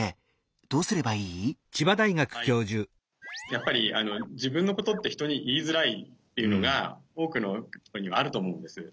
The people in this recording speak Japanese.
やっぱり自分のことって人に言いづらいっていうのが多くの人にはあると思うんです。